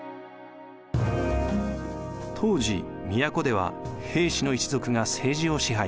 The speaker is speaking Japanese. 当時都では平氏の一族が政治を支配。